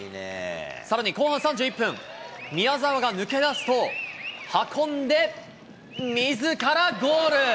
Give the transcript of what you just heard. さらに後半３１分、宮澤が抜け出すと、運んでみずからゴール。